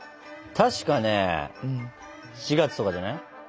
たしかね４月とかじゃない？